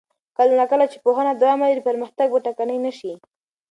کله نا کله چې پوهنه دوام ولري، پرمختګ به ټکنی نه شي.